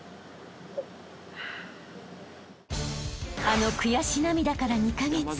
［あの悔し涙から２カ月］